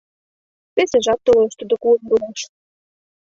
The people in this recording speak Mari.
Весыжат толеш тудо куэ руаш.